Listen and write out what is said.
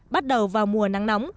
bắt đầu vào mùa nắng nóng